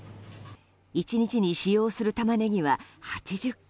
１日に使用するタマネギは８０ｋｇ。